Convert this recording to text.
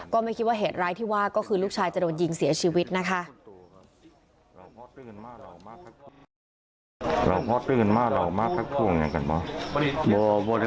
ก็ไม่คิดว่าเหตุร้ายที่ว่าก็คือลูกชายจะโดนยิงเสียชีวิตนะคะ